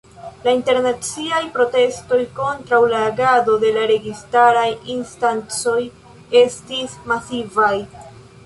La internaciaj protestoj kontraŭ la agado de la registaraj instancoj estis masivaj.